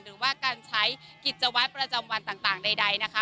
หรือว่าการใช้กิจวัตรประจำวันต่างใดนะคะ